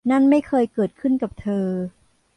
นั่นไม่เคยเกิดขึ้นกับเธอ